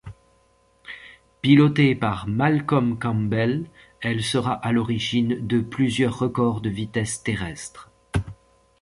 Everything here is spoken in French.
Pilotée par Malcolm Campbell, elle sera à l'origine de plusieurs records de vitesse terrestre.